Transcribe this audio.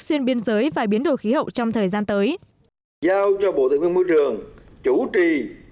xuyên biên giới và biến đổi khí hậu trong thời gian tới